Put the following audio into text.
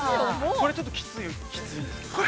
◆これはちょっときついんです。